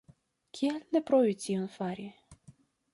Kial ne provi tion fari?